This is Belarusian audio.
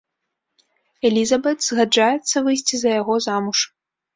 Элізабэт згаджаецца выйсці за яго замуж.